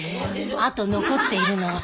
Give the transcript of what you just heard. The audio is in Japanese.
あと残っているのは。